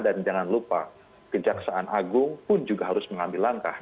dan jangan lupa kejaksaan agung pun juga harus mengambil langkah